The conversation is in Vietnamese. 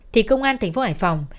thì công an thành phố hải phòng